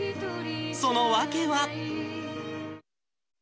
その訳は。